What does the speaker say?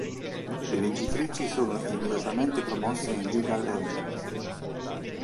Le vincitrici sono immediatamente promosse in Liga Leumit.